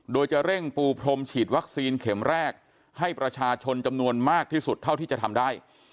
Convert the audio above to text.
โดยจะเร่งปูพรมฉีดวัคซีนเข็มแรกให้ประชาชนจำนวนมากที่สุดเท่าที่จะทำได้